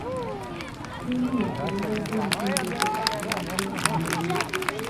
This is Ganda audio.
Ttiimu yaffe yawadde omutendesi omupya omulimu.